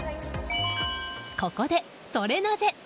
ここでソレなぜ？